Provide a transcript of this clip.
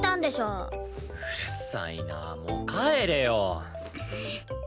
うるさいなもう帰れよ。